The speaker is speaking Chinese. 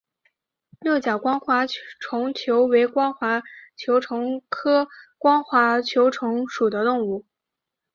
六角光滑球虫为光滑球虫科光滑球虫属的动物。